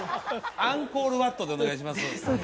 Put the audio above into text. アンコール・ワットでお願いします